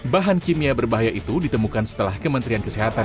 bahan kimia berbahaya itu ditemukan setelah kementerian kesehatan